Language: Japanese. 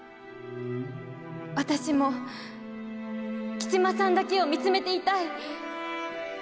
私も吉間さんだけを見つめていたい。